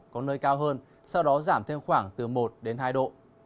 có nơi cao hơn sau đó giảm thêm khoảng từ một đến hai độ